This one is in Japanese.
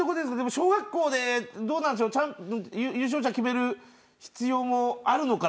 小学校で優勝者を決める必要もあるのかな